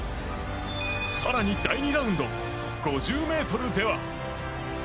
更に、第２ラウンド５０ｍでは。